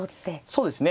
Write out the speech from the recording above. そうですね。